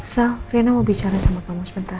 sal rina mau bicara sama kamu sebentar